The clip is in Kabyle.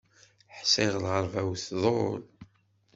Ḥṣiɣ lɣerba-w tḍul.